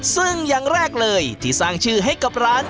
ซึ่งอย่างแรกเลยที่สร้างชื่อให้กับร้าน